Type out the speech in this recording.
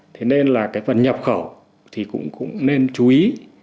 thế nên là phần nhập khẩu cũng nên chú ý